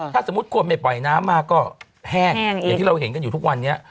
ถ้าสมมุติคนไม่ปล่อยน้ำมาก็แห้งอย่างที่เราเห็นกันอยู่ทุกวันนี้